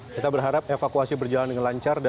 kita berharap evakuasi berjalan dengan lancar